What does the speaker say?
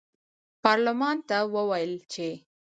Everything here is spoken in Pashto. پارلمان ته وویل چې